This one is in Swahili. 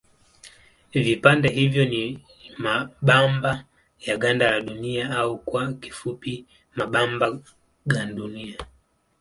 Vipande hivyo ni mabamba ya ganda la Dunia au kwa kifupi mabamba gandunia.